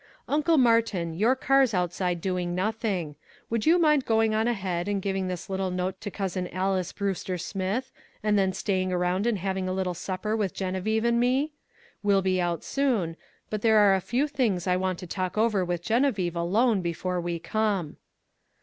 "Uncle Martin, your car's outside doing nothing; would you mind going on ahead and giving this little note to Cousin Alys Brewster Smith, and then staying around and having a little supper with Geneviève and me? We'll be out soon, but there are a few things I want to talk over with Geneviève alone before we come."